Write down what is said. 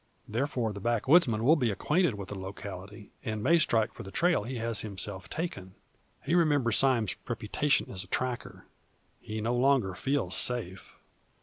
Therefore, the backwoodsman will be acquainted with the locality, and may strike for the trail he has himself taken. He remembers Sime's reputation as a tracker; he no longer feels safe.